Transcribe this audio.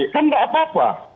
kan tidak apa apa